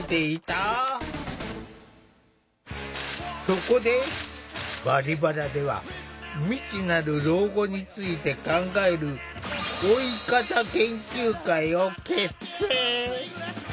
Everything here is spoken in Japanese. そこで「バリバラ」では未知なる老後について考える「老い方研究会」を結成。